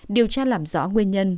điều tra làm rõ nguyên nhân